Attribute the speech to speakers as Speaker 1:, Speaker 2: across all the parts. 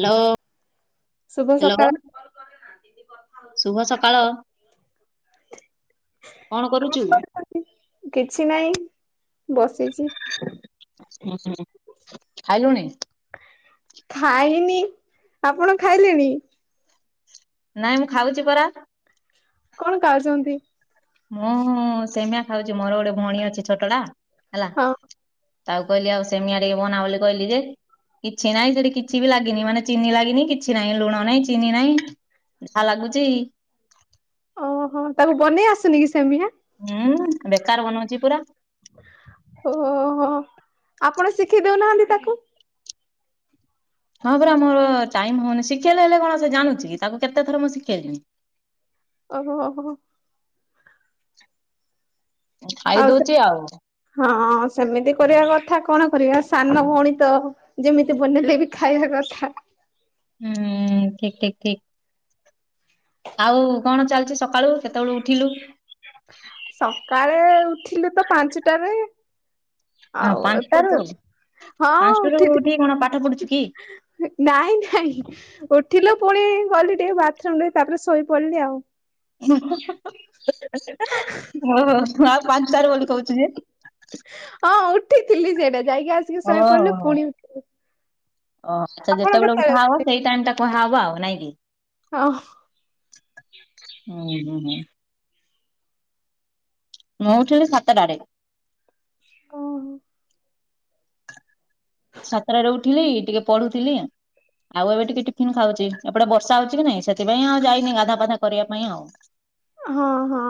Speaker 1: Hello!
Speaker 2: ଶୁଭ
Speaker 1: hello
Speaker 2: ସକାଳ!
Speaker 1: ଶୁଭ ସକାଳ! କଣ କରୁଛୁ?
Speaker 2: କିଛି ନାହିଁ ବସିଛି।
Speaker 1: ଖାଇଲୁଣିି?
Speaker 2: ଖାଇନି ଆପଣ ଖାଇଲେଣି?
Speaker 1: ନାଇଁ ମୁଁ ଖାଉଛି ପରା
Speaker 2: କଣ କାଉ ଛନ୍ତି?
Speaker 1: ମୁଁ ସେମିଆ ଖାଉଛି ମୋର ଗୋଟେ ଭଉଣୀ ଅଛି ଛୋଟ ଟା ହେଲା
Speaker 2: ହଁ
Speaker 1: ତାକୁ କହିଲି ଆଉ ସେମିଆ ଟିକେ ବନା ବୋଲି କହିଲି ଯେ କିଛି ନହିଁ ସେଠି କିଛି ବି ଲାଗିନି ମାନେ ଚିନି ଲାଗିନି କିଛି ନହିଁ ଲୁଣ ନହିଁ ଚିନି ନାହିଁ। ଯାହା ଲାଗୁଚି
Speaker 2: ଓହୋ! ତାକୁ ବନେଇ ଆସୁନି କି ସେମିଆ?
Speaker 1: ହୁଁ! ବେକାର ବନଉଛି ପୁରା
Speaker 2: ଓହୋ! ଆପଣ ଶିଖିଦଉ ନାହାନ୍ତି ତାକୁ
Speaker 1: ହଁ! ପୁରା ମୋର ଟାଇମ୍ ହଉନି ଶିଖେଇଲେ ହେଲେ କଣ ସେ ଜାଣୁଛିକି ତାକୁ କେତେ ଥର ମୁଁ ଶିଖେଇଲିଣି
Speaker 2: ଓହୋ!
Speaker 1: ଖାଇ
Speaker 2: ଆଉ ସେ
Speaker 1: ଦଉଛି ଆଉ।
Speaker 2: ହଁ ସେମିତି କରିବା କଥା କଣ କରିବା ସାନ ଭଉଣି ତ ଯେମିତି ବନେଇଲେ ବି ଖାଇବା କଥା
Speaker 1: ହୁଁ ଠିକ ଠିକ ଠିକ! ଆଉ କଣ ଚାଲିଛି ସକାଳୁ କେତେବେଳୁ ଉଠିଲୁ?
Speaker 2: କାଳେ ଉଠିଲୁ ତ ପାଞ୍ଚଟାରେ ଆଉ
Speaker 1: ପାଞ୍ଚଟାରୁ
Speaker 2: ଏପର୍ଯ୍ୟନ୍ତ ହଁ
Speaker 1: ପାଞ୍ଚଟାରୁ
Speaker 2: ଉଠି
Speaker 1: ଉଠିକି କଣ ପାଠ ପଢୁଛୁ କି?
Speaker 2: ନାଇଁ ନାଇଁ! ଥିଲୁ ପୁଣି ଗଲି ଟିକେ ବାଥରୁମ ରେ ତାପରେ ଶୋଇପଡିଲି ଆଉ।
Speaker 1: ହ! ଓ ଆଉ ପାଞ୍ଚ ଟା ରୁ ବୋଲି କହୁଛୁ ଯେ
Speaker 2: ଉଠଥିଲି ସେଇଟା ଯାଇକି ଆସିକି ଶୋଇପଡ଼ିଲି ପୁଣି ଉଠିବି
Speaker 1: ଓହ ଆଚ୍ଛା! ଯେତେବେଳେ ଉଠା ହବ ସେଇ ଟାଇମ୍ ଟା କୁହାହେବ ଆଉ ନାଇଁକି?
Speaker 2: ହଁ!
Speaker 1: ହଉ ହ ହଁ! ମୁଁ ଉଠିଲ ସାତ ଟା ରେ
Speaker 2: ଓ!
Speaker 1: ସାତଟା ରେ ଉଠିଲି ଟିକେ ପଢୁଥିଲି ଆଉ ଏବେ ଟିକେ ଟିଫିନ ଖାଉଛି। ଏପଟେ ବର୍ଷା ହଉଛି କି ନାଇଁ ସେଥିପାଇଁ ଆଉ ଯାଇନି ଗାଧା ଫାଧା କରିବା ପାଇଁ ଆଉ
Speaker 2: ହଁ ହଁ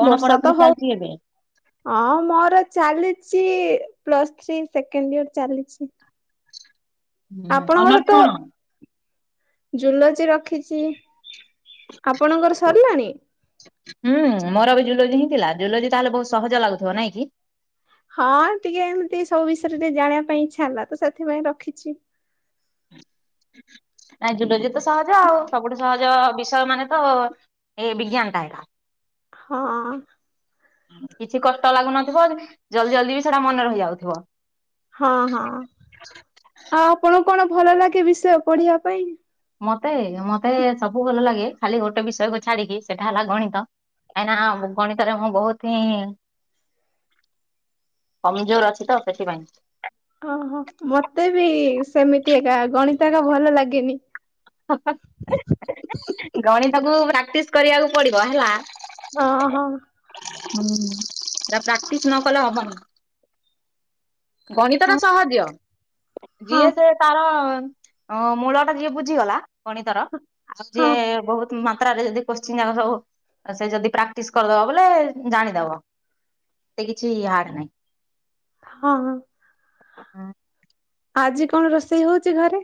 Speaker 1: କଣ
Speaker 2: ବର୍ଷା
Speaker 1: ପଢାପଢି
Speaker 2: ତ ହଉ।
Speaker 1: ଚାଲିଛି ଏବେ
Speaker 2: ହଁ ମୋର ଚାଲିଛି ପ୍ଲସ୍ ଥ୍ରୀ ସେକେଣ୍ଡ ଇର ଚାଲିଛି
Speaker 1: ହୁଁ ଅନସ୍ କଣ?
Speaker 2: ଜୁଓଲୋଜି ରଖିଛି। ଆପଣ ଙ୍କର ସାରିଲାଣି?
Speaker 1: ଜୁଓଲୋଜି ହିଁ ଥିଲା ଜୁଲୋଜି ତାହେଲେ ବହୁତ ସହଜ ଲାଗୁଥିବ ନାଇଁ କି?
Speaker 2: ହଁ ଟିକେ ଏମିତି ସବୁ ବିଷୟରେ ଟିକେ ଜାଣିବା ପାଇଁ ଇଚ୍ଛା ହେଲା ତ ସେଥିପାଇଁ ରଖିଛି [inaudible]
Speaker 1: ନାଇ ଜୁଓଲୋଜି ତ ସହଜ ଆଉ ସବୁଠୁ ସହଜ ବିଷୟ ମାନେ ତ ଏଇ ବିଜ୍ଞାନ କାଇ [inaudible]
Speaker 2: ହଁ!
Speaker 1: କିଛି କଷ୍ଟ ଲାଗୁନଥିବ। ଜଲଦି ଜଲଦି ବି ସେଟା ମନେ ରହି ଯାଉଥିବ।
Speaker 2: ହଁ ହଁ ଆଉ ଆପଣଙ୍କୁ କଣ ଭଲ ଲାଗେ ବିଷୟ ପଢିବା ପାଇଁ?
Speaker 1: ମତେ ମତେ ସବୁ ଭଲ ଲାଗେ ଖାଲି ଗୋଟେ ବିଷୟକୁ ଛାଡିକି ସେଟା ହେଲା ଗଣିତ। କାଇଁ ନା ଗଣିତରେ ମୁଁ ବହୁତ ହିଁ
Speaker 2: [unintelligible]
Speaker 1: କମଜୋର ଅଛି ତ ସେଥିପାଇଁ।
Speaker 2: ଅହ ମତେ ବି ସେମିତି ଏକା ଗଣିତ ଏକା ଭଲ ଲାଗେନି।
Speaker 1: ଗଣିତକୁ ପ୍ରାକ୍ଟିସ କରିବାକୁ ପଡିବ ହେଲା।
Speaker 2: ହଁ ହଁ।
Speaker 1: ହୁଁମ୍ ହେରା ପ୍ରାକ୍ଟିସ ନ କଲେ ହବନି। ଗଣିତ ଟା
Speaker 2: ହଁ
Speaker 1: ସହଜ
Speaker 2: ହଁ
Speaker 1: ଯିଏ ସେ ତାର ହଁ ମୂଳଟା ଯିଏ ବୁଝିଗଲା ଗଣିତର ଆଉ
Speaker 2: ହଁ
Speaker 1: ଯିଏ- ବହୁତ ମାତ୍ରାରେ ଯଦି କୋସଚିନ୍ ଯାକ ସବୁ ସେ ଯଦି ପ୍ରାକ୍ଟିସ କରିଦବ ବୋଲେ- ଜାଣିଦବ। ଏତେ କିଛି ହାର୍ଡ ନାହିଁ।
Speaker 2: ହଁ ହଁ।
Speaker 1: ହୁଁ।
Speaker 2: ଆଜି କଣ ରୋଷେଇ ହଉଛି ଘରେ?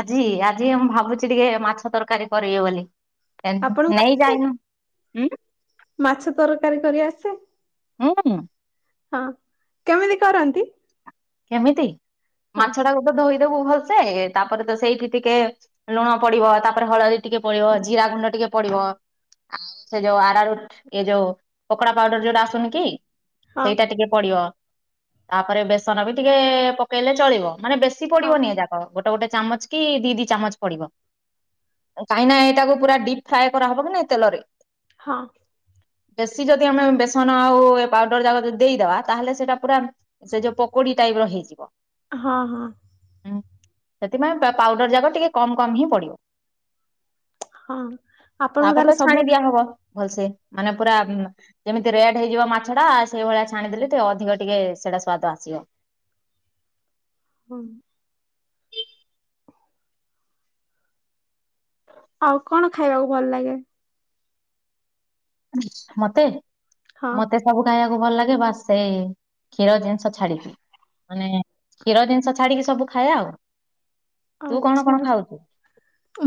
Speaker 1: ଆଜି ଆଜି ମୁଁ ଭାବୁଛି ଟିକେ ମାଛ ତରକାରୀ କରିବି ବୋଲି। କେନୁ
Speaker 2: ଆପଣଙ୍କୁ
Speaker 1: ନେଇ
Speaker 2: ଆସେ
Speaker 1: ଯାଇନୁ ହୁଁ ଉଁ।
Speaker 2: ମାଛ ତରକାରୀ କରି ଆସେ?
Speaker 1: ହୁଁ- ମ୍ ଉଁ।
Speaker 2: ହଁ କେମିତି କରନ୍ତି?
Speaker 1: କେମିତି
Speaker 2: ହଁ
Speaker 1: ମାଛଟାକୁ ତ ଧୋଇ ଦେବୁ ଭଲସେ ତାପରେ ତ ସେଇଠି ଟିକେ ଲୁଣ ପଡ଼ିବ ତାପରେ ହଳଦୀ ଟିକେ ପଡ଼ିବ ଜିରା ଗୁଣ୍ଡ ଟି ଟିକେ ପଡ଼ିବ ସେ ଯୋଉ ଆରରୁଟ୍ ଏ ଯୋଉ ପକୋଡ଼ା ପାଉଡ଼ର୍ ଯୋଉଟା ଆସୁନି କି
Speaker 2: ହଁ
Speaker 1: ସେଇଟା ଟିକେ ପଡ଼ିବ ତାପରେ ବେସନ ବି ଟିକେ- ପକେଇଲେ ଚଳିବ। ମାନେ ବେଶୀ
Speaker 2: ହଁ
Speaker 1: ପଡ଼ିବନି ଏ ଯାକ ଗୋଟେ ଗୋଟେ ଚାମଚ କି ଦି ଦି ଚାମଚ ପଡ଼ିବ। କାହିଁକି ନା- ଏଇଟାକୁ ପୁରା ଡିପ୍ ଫ୍ରାଏ କରାହବ କି ନାଇଁ ତେଲରେ।
Speaker 2: ହଁ।
Speaker 1: ବେଶୀ ଯଦି ଆମେ ବେସନ ଆଉ ଏ ପାଉଡ଼ର୍ ଯାକ ଯଦି ଦେଇଦବା ତାହେଲେ ସେଇଟା ପୁରା ସେ ଯୋଉ ପକ୍ କୋଡିଏ ଟାଇପ୍ ର ହେଇଯିବ।
Speaker 2: ହଁ ହଁ।
Speaker 1: ହୁଁ ସେଥିପାଇଁ ପାଉଡ଼ର ଯାକ ଟିକେ କମ୍ କମ୍ ହିଁ ପଡ଼ିବ।
Speaker 2: ହଁ ଆପଣଙ୍କୁ
Speaker 1: ତାପରେ
Speaker 2: ତାହେଲେ
Speaker 1: ତ
Speaker 2: ସବୁ
Speaker 1: ଛାଣି ଦିଆ ହବ ଭଲସେ। ମାନେ ପୁରା ଯେମିତି ରେଡ୍ ହେଇଯିବ ମାଛ ଟା ସେଇଭଳିଆ ଛାଣିଦେଲି ଟିକେ ଅଧିକ ଟିକେ ସେଇଟା ସ୍ଵାଦ ଆସିବ।
Speaker 2: ହୁଁ। ଆଉ କଣ ଖାଇବାକୁ ଭଲ ଲାଗେ?
Speaker 1: ମତେ
Speaker 2: ହଁ
Speaker 1: ମତେ ସବୁ ଖାଇବାକୁ ଭଲ ଲାଗେ ବାସ୍ ସେଇ- କ୍ଷୀର ଜିନିଷ ଛାଡ଼ିକି। ମାନେ କ୍ଷୀର ଜିନିଷ ଛାଡ଼ିକି ସବୁ ଖାଏ ଆଉ। ତୁ କଣ
Speaker 2: ଆଚ୍ଛା
Speaker 1: କଣ ଖାଉଛୁ?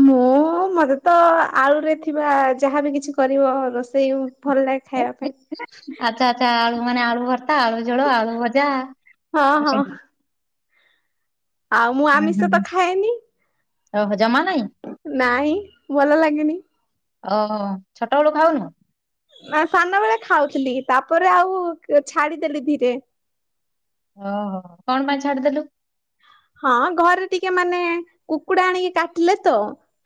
Speaker 2: ମୁଁ- ମତେ ତ- ଆଳୁରେ ଥିବା ଯାହାବି କିଛି କରିବ ରୋଷେଇ ଭଲ ଲାଗେ ଖାଇବା ପାଇଁ।
Speaker 1: ଆଚ୍ଛା ଆଚ୍ଛା ଆଳୁ ମାନେ ଆଳୁ ଭର୍ତା ଆଳୁ ଝୋଳ ଆଳୁ ଭଜା
Speaker 2: ହଁ ହଁ। ଆଉ ମୁଁ
Speaker 1: ହୁଁ ହୁଁ
Speaker 2: ଆମିଷ ତ ଖାଏନି।
Speaker 1: ଓହୋ ଜମା ନାଇଁ?
Speaker 2: ନାଇଁ ଭଲ ଲାଗେନି।
Speaker 1: ଓ ଛୋଟବେଳୁ ଖାଉନୁ?
Speaker 2: ନା ସାନ ବେଳେ ଖାଉଥିଲି ତାପରେ ଆଉ ଛାଡ଼ିଦେଲି ଧୀରେ।
Speaker 1: ଅହଁ କଣ ପାଇଁ ଛାଡ଼ି ଦେଲୁ।
Speaker 2: ହଁ ଘରେ ଟିକେ ମାନେ କୁକୁଡ଼ା ଆଣିକି କାଟିଲେ ତ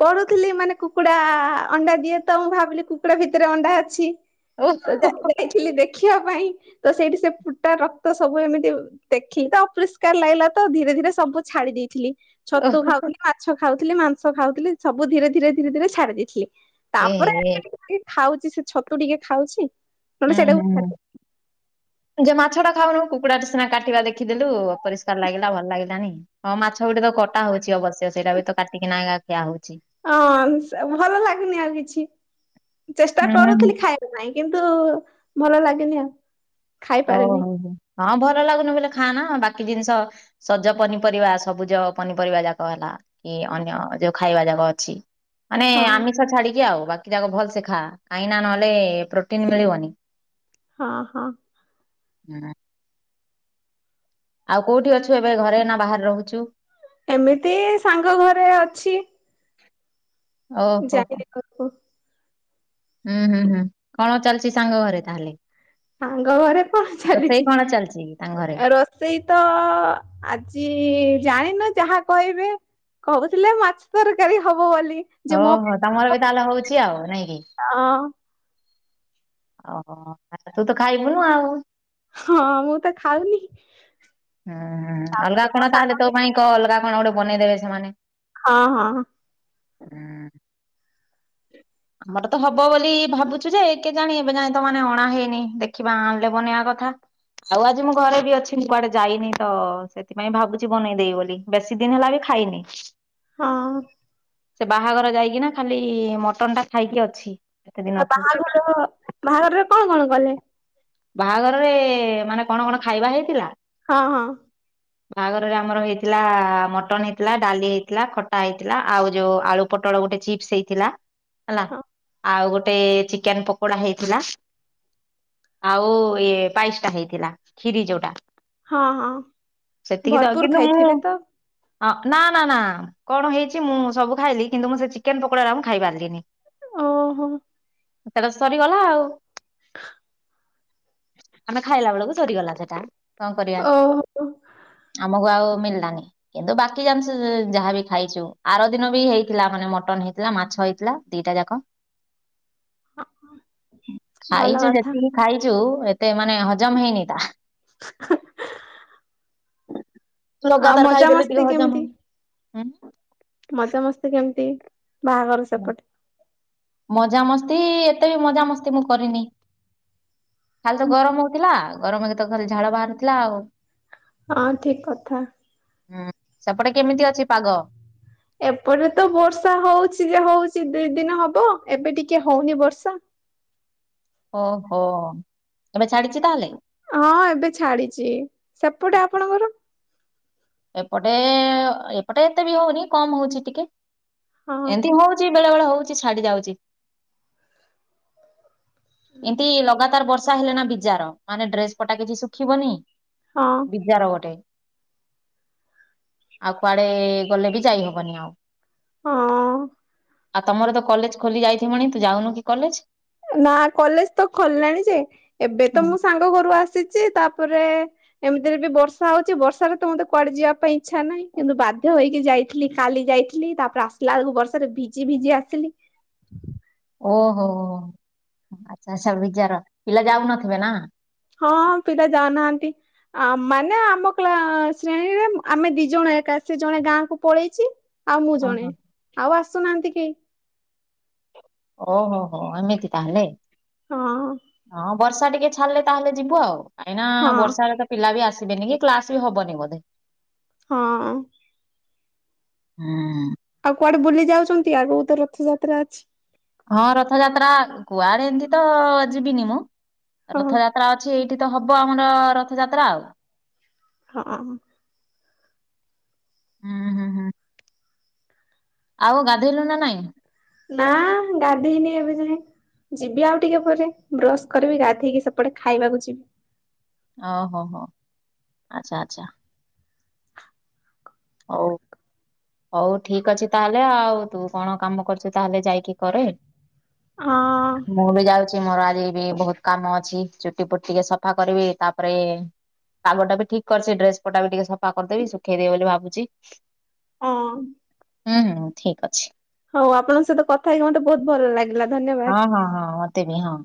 Speaker 2: ପଢ଼ୁଥିଲି ମାନେ କୁକୁଡ଼ା ଆ ଅଣ୍ଡା ଦିଏ ତ ମୁଁ ଭାବିଲି କୁକୁଡ଼ା ଭିତରେ ଅଣ୍ଡା ଅଛି ତ ଯା
Speaker 1: ଓହୋ
Speaker 2: ଦେଖିଲି ଦେ ଦେଖିବା ପାଇଁ ତ ସେଇଠି ସେ ଫୁଟା ରକ୍ତ ସବୁ ଏମିତି ଦେଖିକି ତ ଅପରିଷ୍କାର ଲାଗିଲା। ତ ଧୀରେ ଧୀରେ ସବୁ ଛାଡି ଦେଇଥିଲି ଛତୁ
Speaker 1: ଓହୋ,
Speaker 2: ଖାଉଥିଲି ମାଛ ଖାଉ ଥିଲି ମାଂସ ଖାଉଥିଲି ସବୁ ଧୀରେ ଧୀରେ ଧୀରେ ଧୀରେ ଛାଡି ଦେଇଥିଲି।
Speaker 1: ଏ
Speaker 2: ତାପରେ ଏବେ
Speaker 1: ହେ
Speaker 2: ଟିକେ ଟିକେ ଖାଉଛି ସେ ଛତୁ ଟିକେ ଖାଉଛି। ନହେଲେ
Speaker 1: ହୁଁ
Speaker 2: ସେଇଡାକୁ ବି ଛାଡ଼ିଦେବି।
Speaker 1: ମାଛ ଟା ଖାଉନୁ କୁକୁଡ଼ା ଟା ସିନା କାଟିବା ଦେଖିଦେଲୁ ଅପରିଷ୍କାର ଲାଗିଲା ଭଲ ଲାଗିଲାନି। ହଁ ମାଛ ଗୋଟେ ତ କଟା ହୋଉଛି ଅବ ଶ୍ୟ ସେଇଟା ବି ତ କାଟିକି ନା ଖିଆ ହୋଉଛି।
Speaker 2: ହଁ ଭଲ ଲାଗୁନି ଆଉ କିଛି। ଚେଷ୍ଟା କରୁଥିଲି ଖାଇବା ପାଇଁ କିନ୍ତୁ ଭଲ ଲାଗେନି ଆଉ।
Speaker 1: ଆଉ
Speaker 2: ଖାଇପାରେନି
Speaker 1: ହୋଉ ହୋଉ। ହଁ ଭଲ ଲାଗୁନି ବୋଲି ଖାଆନା ବାକି ଜିନିଷ ସଜ ପନିପରିବା ସବୁଜ ପନିପରିବା ଯାକ ହେଲା କି ଅନ୍ୟ ଯୋଉ ଖାଇବା ଯାକ ଅଛି ମାନେ
Speaker 2: ହଁ।
Speaker 1: ଆମିଷ ଛାଡିକି ଆଉ ବା କି ଯାକ ଭଲସେ ଖାଆ କାହିଁକିନା ନହେଲେ ପ୍ରୋଟିନ ମିଳିବନି।
Speaker 2: ହଁ ହଁ।
Speaker 1: ହୁଁ। ଆଉ କୋଉଠି ଅଛୁ ଏବେ ଘରେ ନା ବାହାରେ ରୋହୁଚୁ?
Speaker 2: ଏମିତି ଏଇ ସାଙ୍ଗ ଘରେ ଅଛି।
Speaker 1: [inaudible] ଓହୋ ହୋ
Speaker 2: ଯାଇନି ଘରକୁ।
Speaker 1: ହୁଁ ହୁଁ ହୁଁ କଣ ଚାଲିଚି ସାଙ୍ଗ ଘରେ ତାହେଲେ?
Speaker 2: ସାଙ୍ଗ ଘରେ କଣ
Speaker 1: ରୋଷେଇ
Speaker 2: ଚାଲିଛି?
Speaker 1: କଣ ଚାଲିଛି ତାଙ୍କ ଘରେ?
Speaker 2: ରୋଷେଇ ତ ଆଜି ଜାଣିନୁ ଯାହା କହିବେ କହୁଥିଲେ ମାଛ ତରକାରୀ ହବ ବୋଲି ଯେ ମୋ
Speaker 1: ଓହୋ
Speaker 2: ପାଇଁ
Speaker 1: ତମର ବି
Speaker 2: କଣ
Speaker 1: ତାହେଲେ ହଉଛି
Speaker 2: [unintelligible]
Speaker 1: ଆଉ ନାଇଁ
Speaker 2: ଅଁ।
Speaker 1: ଅହୋ ଆଚ୍ଛା ତୁ ତ ଖାଇବୁନୁ ଆଉ।
Speaker 2: ହଁ ମୁଁ ତ ଖାଉନି
Speaker 1: ହୁଁ ଅଲଗା
Speaker 2: ତାପରେ ମୋ
Speaker 1: କଣ
Speaker 2: ସାଙ୍ଗ
Speaker 1: ତାହେଲେ ତୋ ପାଇଁ କହ ଅଲଗା କଣ ଗୋଟେ ବନେଇଦେବେ ସେମାନେ।
Speaker 2: ହଁ ହଁ ହଁ।
Speaker 1: ହୁଁ। ଆମର ତ ହବ ବୋଲି ଭାବୁଚୁ ଯେ କେଜାଣି ଏବେ ଯାଏଁ ତ ମାନେ ଅଣା ହେଇନି ଦେଖିବା ଆଣିଲେ ବନେଇବା କ ଥା। ଆଉ ଆଜି ମୁଁ ଘରେ ବି ଅଛି ମୁଁ କୁଆଡେ ଯାଇନି ନି ତ ସେଥିପାଇଁ ଭାବୁଛି ବନେଇ ଦେବୀ ବୋଲି ବେଶୀ ଦିନ ହେଲା ବି ଖା ଖାଇନି।
Speaker 2: ହଁ
Speaker 1: ସେ ବାହାଘର ଯାଇକିନା ଖାଲି ମଟନ ଟା ଖାଇକି ଅଛି। ଏତେ
Speaker 2: ଆଉ
Speaker 1: ଦିନଠୁ
Speaker 2: ବାହାଘର ବାହାଘରରେ କଣ କଣ କଲେ?
Speaker 1: ବାହାଘରରେ ମାନେ କଣ କଣ ଖାଇବା ହେଇଥିଲା?
Speaker 2: ହଁ ହଁ।
Speaker 1: ବାହାଘରରେ ଆମର ହେଇଥିଲା ମଟନ ହେଇଥିଲା ଡାଲି ହେଇଥିଲା ଖଟା ହେଇଥିଲା ଆଉ ଯୋଉ ଆଳୁ ପଟ ଟୋଳୋ ଗେଟେ ଚିପ୍ସ ହେଇଥିଲା। ହେଲା
Speaker 2: ହଁ
Speaker 1: ଆଉ ଗୋଟେ ଚିକେନ ପକୋଡା ହେଇଥିଲା।
Speaker 2: [inaudible]
Speaker 1: ଆଉ ଏଇ ପାଇସ୍ ଟା ହେଇଥିଲା କ୍ଷୀରି ଯୋଉଟା।
Speaker 2: ହଁ ହଁ
Speaker 1: ସେତିକି ତ ଆଉ
Speaker 2: ଭରପୁର
Speaker 1: କିନ୍ତୁ ମୁଁ
Speaker 2: ଖାଇଥିବେ ତ
Speaker 1: ହଁ ନା ନା ନା କଣ ହେଇଛି ମୁଁ ସବୁ ଖାଇଲି କିନ୍ତ ମୁଁ ସେଇ ଚିକେନ ପକୋଡା ଟା ମୁଁ ଖାଇପାରିଲିନି।
Speaker 2: ଓହୋ।
Speaker 1: ଆଉ ସେଟା ସରିଗଲା ଆଉ।
Speaker 2: [inaudible]
Speaker 1: ଆମେ ଖାଇଲା ବେଳକୁ ସରିଗଲା ସେଟା। କଁ କରିବା
Speaker 2: ଓହୋ
Speaker 1: ଆମୁକୁ ଆଉ ମିଳିଲାନି। କିନ୍ତୁ ବାକି [unintelligible] ଯାହା ବି ଖାଇଛୁ ଆର ଦିନ ବି ହେଇଥିଲା, ମାନେ ମଟନ ହେଇଥିଲା। ମାଛ ହେଇଥିଲା ଦିଟା ଯାକ।
Speaker 2: ହ [unintelligible] ହଁ ଭଲ କଥା।
Speaker 1: ଯୋଉ ଏତେ ମାନେ ହଜମ ହଇନି ଏଇଟା।
Speaker 2: [unintelligible] ଆଉ
Speaker 1: ଲଗାତାର ଖାଇଦେଲେ
Speaker 2: ମଜାମସ୍ତି
Speaker 1: ଟିକେ ହଜମ
Speaker 2: କେମିତି ମଜାମସ୍ତି କେମିତି? ବାହାଘର ସେପଟେ
Speaker 1: ମଜାମସ୍ତି, ଏତେ ବି ମଜାମସ୍ତି ମୁଁ କରିନି। ଖାଲି ତ ଗରମ ହଉଥିଲା, ଗରମରେ ତ ଖାଲି ଝାଳ ବାହାରୁଥିଲା ଆଉ।
Speaker 2: ହଁ ଠିକ କଥା।
Speaker 1: ହୁଁ, ସେପଟେ କେମିତି ଅଛି ପାଗ?
Speaker 2: ଏପଟେ ତ ବର୍ଷା ହଉଛି ଯେ ହଉଛି ଦି ଦିନ ହବ, ଏବେ ଟିକେ ହଉନି ବର୍ଷା।
Speaker 1: ଓ ହୋ, ଏବେ ଛାଡିଛି ତାହେଲେ?
Speaker 2: ହଁ ଏବେ ଛାଡିଛି, ସେପଟେ ଆପଣଙ୍କର?
Speaker 1: ଏପଟେ, ଏପଟେ ଏତେ ବି ହଉନି କମ ହଉଛି ଟିକେ।
Speaker 2: ହଁ ହଁ
Speaker 1: ଏମିତି ହଉଛି, ବେଳେ ବେଳେ ହଉଛି ଛାଡି ଯାଉଛି। ଏମିତି ଲଗାତାର ବର୍ଷା ହେଲେ ନା ବିଜାର, ମାନେ ଡ୍ରେସ ପଟା କିଛି ଶୁଖିବନି।
Speaker 2: ହଁ।
Speaker 1: ବିଜାର ଗୋଟେ ଆଉ କୁଆଡେ ଗଲେ ବି, ଯାଇହବନି ଆଉ।
Speaker 2: ହଁ।
Speaker 1: ଆଉ ତମର ତ କଲେଜ ଖୋଲି ଯାଇଥିବଣି, ତୁ ଯାଉନୁ କି କଲେଜ?
Speaker 2: ନା କଲେଜ ତ ଖୋଲିଲାଣି ଯେ, ଏବେ ତ ମୁଁ ସାଙ୍ଗ ଘରୁ ଆସିଛି। ତା ପରେ ଏମିତିରେ ବି ବର୍ଷା ହଉଛି, ବର୍ଷାରେ ତ ମୋତେ କୁଆଡେ ଯିବା ପାଇଁ ଇଛା ନାହିଁ, କିନ୍ତୁ ବାଧ୍ୟ ହେଇକି ଯାଇ ଥିଲି କାଲି ଯାଇଥିଲି, ତାପରେ ଆସିଲା ବେଳକୁ ବର୍ଷାରେ ଭିଜି ଭିଜି ଆସିଲି।
Speaker 1: ଓ ହୋ ଆଚ୍ଛା, ସବୁ ବିଜାର ପିଲା ଯାଉନଥିବେ ନା?
Speaker 2: ହଁ ପିଲା ଯାଉନାହାନ୍ତି? ଆ ମାନେ ଆମ କ୍ଲା ଶ୍ରେଣୀରେ ଆମେ ଦି ଜଣ। ମୁଁ ଏକା ଆସିଛି। ସେ ଜଣେ ଗାଁକୁ ପଳେଇଛି, ଆଉ ମୁଁ ଜଣେ।
Speaker 1: ଓହୋ
Speaker 2: ଆଉ ଆସୁନାହାନ୍ତି କେହି?
Speaker 1: ଓ ହୋ ହୋ ଏମିତି ତାହେଲେ।
Speaker 2: ହଁ।
Speaker 1: ହଁ ବର୍ଷା ଟିକେ ଛାଡିଲେ ତାହେଲେ ଯିବୁ ଆଉ, କାଇଁନା
Speaker 2: ହଁ
Speaker 1: ବର୍ଷାରେ ତ ପିଲା ବି ଆସି ଯିବିନି, କି କ୍ଲାସ ବି ହବନି ବୋଧେ?
Speaker 2: ହଁ।
Speaker 1: ହୁଁ।
Speaker 2: ଆଉ କୁଆଡେ ବୁଲି ଯାଉଛନ୍ତି? ଆଗକୁ ତ ରଥଯାତ୍ରା ଅଛି।
Speaker 1: ହଁ ରଥଯାତ୍ରା, କୁଆଡେ ଏମିତି ତ ଯିବିନି ମୁଁ।
Speaker 2: ହଁ
Speaker 1: ରଥଯାତ୍ରା ଅଛି ଏଇ ଏଠି ତ ହବ ଆମର ରଥଯାତ୍ରା ଆଉ।
Speaker 2: ହଁ।
Speaker 1: ହୁଁ- ହୁଁ- ହୁଁ। ଆଉ ଗାଧୋଇଲୁଣି ନା ନାଇଁ?
Speaker 2: ନା ଗାଧେଇନି ଏବେ ଯାଏ। ଯିବି ଆଉ ଟିକେ ପରେ, ବ୍ରଶ କରିବି ଗାଧେଇକି ସେପଟେ ଖାଇବାକୁ ଯିବି।
Speaker 1: ଓ ହୋ ହୋ ଆଚ୍ଛା ଆଚ୍ଛା। ହଉ। ହଉ ଠିକ ଅଛି ତାହେଲେ, ଆଉ ତୁ କଣ କାମ କରୁଛୁ ତାହେଲେ ଯାଇକି କରେ।
Speaker 2: ହଁ
Speaker 1: ମୁଁ ବି ଯାଉଛି। ମୋର ଆ ଜି ବି ବହୁତ କାମ ଅଛି। ଚୁଟି ଫୁଟି ଟିକେ ସଫା କରିବି, ତାପରେ ପାଗଟା ବି ଠିକ କରିଛି, ଡ୍ରେସ ପଟା ବି ଟିକେ ସଫା କରିଦେବି ଶୁଖେଇବି ବୋଲି ଭାବୁଛି।
Speaker 2: ହଁ।
Speaker 1: ହୁଁ, ଠିକ ଅଛି।
Speaker 2: ହଉ ଆପଣଙ୍କ ସହିତ କଥା ହେଇକି ମୋତେ ବହୁତ ଭଲ ଲାଗିଲା ଧନ୍ୟବାଦ।
Speaker 1: ହଁ ହଁ ହଁ ମତେ ବି ହଁ